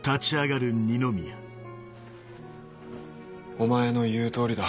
お前の言う通りだ。